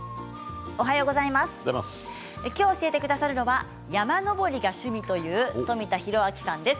今日、教えてくださるのは山登りが趣味という富田裕明さんです。